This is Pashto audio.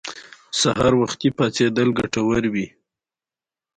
هغه هغې ته د پاک هیلې ګلان ډالۍ هم کړل.